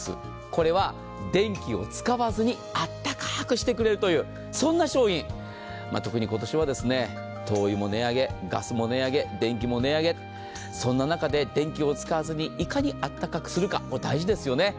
これは電気を使わずにあったかーくしてくれるという、そんな商品、特に今年はですね、灯油も値上げ、ガスも値上げ、電気も値上げ、そんな中で電気を使わずにいかにあったかくするか、これは大事ですよね。